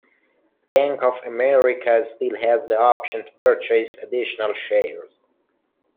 Bank of America still has the option to purchase additional shares.